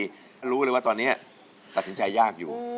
ตัดสินใจให้ดีรู้เลยว่าตอนเนี้ยตัดสินใจยากอยู่